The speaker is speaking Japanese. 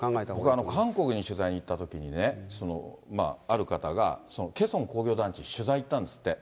僕ら、韓国に取材に行ったときにね、ある方がケソン工業団地、取材行ったんですって。